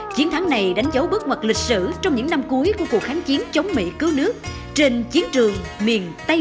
chiến thắng này đánh dấu bước ngoặt lịch sử trong những năm cuối của cuộc kháng chiến chống mỹ cứu nước trên chiến trường miền tây